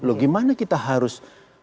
loh gimana kita harus